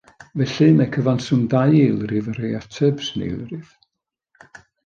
Felly, mae cyfanswm dau eilrif yn rhoi ateb sy'n eilrif.